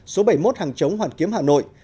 số bảy mươi một hàng chống hoàn kiếm hà nội